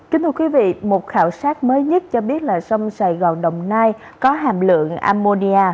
kính thưa quý vị một khảo sát mới nhất cho biết là sông sài gòn đồng nai có hàm lượng ammondia